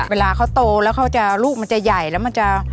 เวลาเขาโตแล้วเขาจะลูกมันจะใหญ่แล้วมันจะ